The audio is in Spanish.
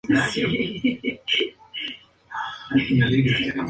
Cuenta con sala de espera, venta de billetes y cafetería.